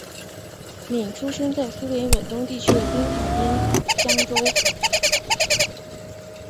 闵出生在苏联远东地区的滨海边疆州。